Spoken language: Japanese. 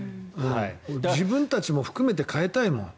自分たちも含めて変えたいもん。